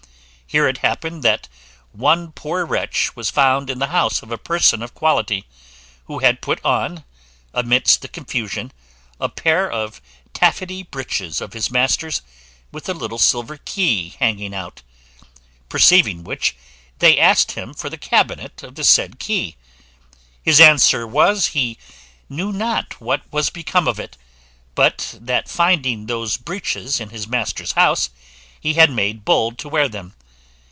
Here it happened that one poor wretch was found in the house of a person of quality, who had put on, amidst the confusion, a pair of taffety breeches of his master's, with a little silver key hanging out; perceiving which, they asked him for the cabinet of the said key. His answer was, he knew not what was become of it, but that finding those breeches in his master's house, he had made bold to wear them.